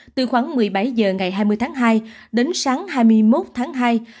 từ khoảng một mươi bảy h ngày hai mươi tháng hai đến sáng hai mươi một tháng hai